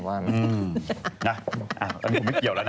อันนี้ผมไม่เกี่ยวแล้วนะ